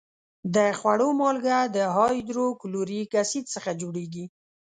د خوړو مالګه د هایدروکلوریک اسید څخه جوړیږي.